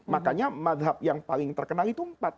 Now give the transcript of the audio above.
makanya madhab yang paling terkenal itu empat